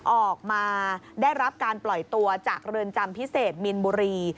ออกมาได้รับการปล่อยตัวจากเรือนจำพิเศษมินบุรี